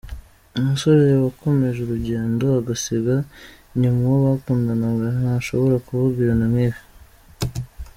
Umusore wakomeje urugendo agasiga inyuma uwo bakundanaga ntashobora kuvuga ibintu nk’ibi.